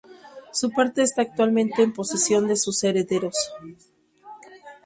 Su parte está actualmente en posesión de sus herederos.